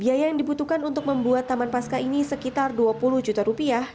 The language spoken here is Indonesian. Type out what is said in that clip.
biaya yang dibutuhkan untuk membuat taman pasca ini sekitar dua puluh juta rupiah